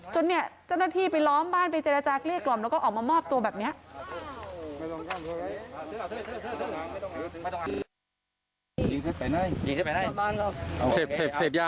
จนเนี่ยเจ้าหน้าที่ไปล้อมบ้านไปเจรจาเกลี้ยกล่อมแล้วก็ออกมามอบตัวแบบนี้